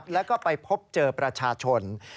แล้วก็ไปพบเจอประชาชน